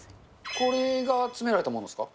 これが集められたものですか。